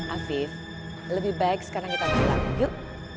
afif lebih baik sekarang kita bilang yuk